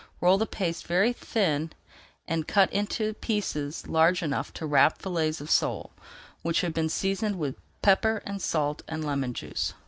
Roll the paste very thin and cut into pieces large enough to wrap fillets of sole, which have been seasoned with pepper and salt, and lemon juice.